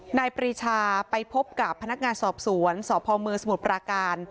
ปรีชาไปพบกับพนักงานสอบสวนสพเมืองสมุทรปราการ